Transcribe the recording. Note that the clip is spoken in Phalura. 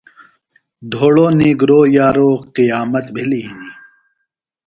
دھوڑو نیگِرو یارو قیامت بھِلیۡ ہِنیۡ۔